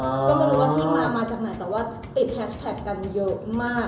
ไม่รู้ว่าตรงที่มามาจากไหนแต่ติดแฮชแท็กคนเยอะมาก